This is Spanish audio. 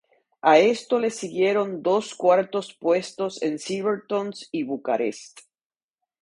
A esto le siguieron dos cuartos puestos en Silverstone y Bucarest.